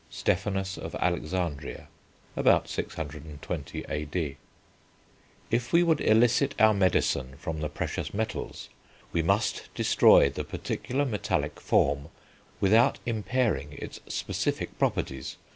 (Stephanus of Alexandria, about 620 A.D.) "If we would elicit our Medecine from the precious metals, we must destroy the particular metalic form, without impairing its specific properties.